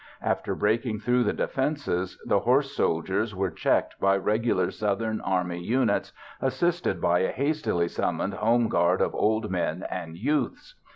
After breaking through the defenses, the horse soldiers were checked by regular Southern army units assisted by a hastily summoned home guard of old men and youths.